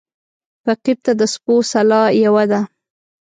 فقير ته د سپو سلا يوه ده.